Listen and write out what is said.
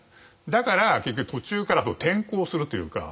だから結局途中から転向するというか